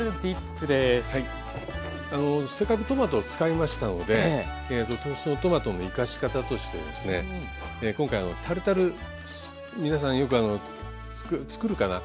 せっかくトマトを使いましたのでそのトマトの生かし方としてですね今回タルタル皆さんよく作るかな？